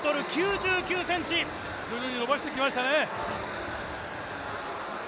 徐々に伸ばしてきましたね。